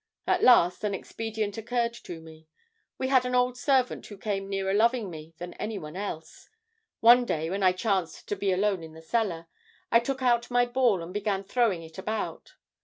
At last an expedient occurred to me. We had an old servant who came nearer loving me than any one else. One day when I chanced to be alone in the cellar, I took out my ball and began throwing it about.